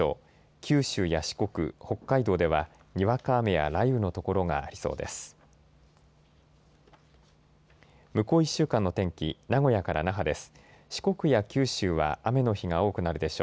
九州や四国、北海道ではにわか雨や雷雨の所がありそうです。